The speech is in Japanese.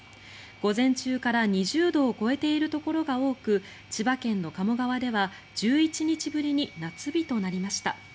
午前中から２０度を超えているところが多く千葉県の加茂川では１１日ぶりに夏日となりました。